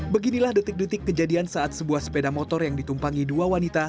beginilah detik detik kejadian saat sebuah sepeda motor yang ditumpangi dua wanita